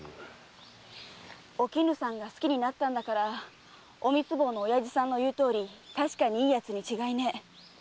おきぬさんが好きになったんだからおみつ坊の親父さんが言うとおり確かにいい奴に違いねえ。